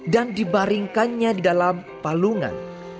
dan dibaringkannya di dalam palungan